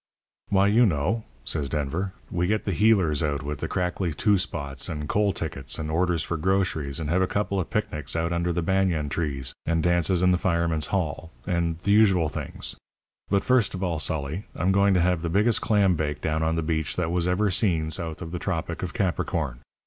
"'Why, you know,' says Denver. 'We get the heelers out with the crackly two spots, and coal tickets, and orders for groceries, and have a couple of picnics out under the banyan trees, and dances in the Firemen's Hall and the usual things. But first of all, Sully, I'm going to have the biggest clam bake down on the beach that was ever seen south of the tropic of Capricorn.